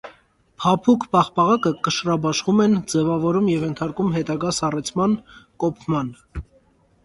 «Փափուկ» պաղպաղակը կշռաբաշխում են, ձևավորում և ենթարկում հետագա սառեցման («կոփման»)։